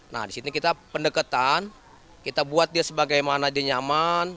nah di sini kita pendekatan kita buat dia sebagaimana dia nyaman